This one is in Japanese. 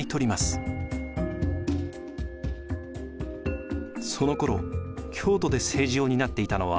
そのころ京都で政治を担っていたのは後鳥羽上皇。